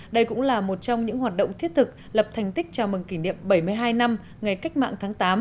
đây cũng là một trong những hoạt động thiết thực lập thành tích chào mừng kỷ niệm bảy mươi hai năm ngày cách mạng tháng tám